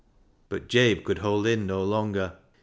But Jabe could hold in no longer.